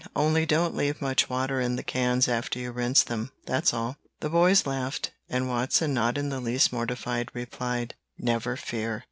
Only don't leave much water in the cans after you rinse them, that's all." The boys laughed, and Watson, not in the least mortified, replied: "Never fear.